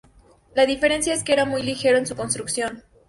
La diferencia es que era muy ligero en su construcción.